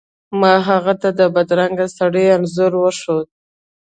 ما هغه ته د بدرنګه سړي انځور وښود.